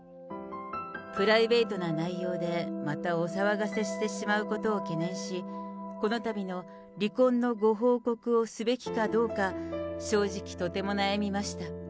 プライベートな内容でまたお騒がせしてしまうことを懸念し、このたびの離婚のご報告をすべきかどうか、正直とても悩みました。